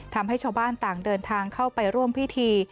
ทำให้ชาวบ้านต่างเดินทางเข้าไปร่วมพิธี